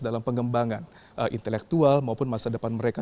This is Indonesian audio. dalam pengembangan intelektual maupun masa depan mereka